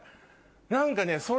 何かね。